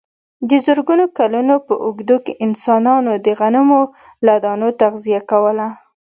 د زرګونو کلونو په اوږدو کې انسانانو د غنمو له دانو تغذیه کوله.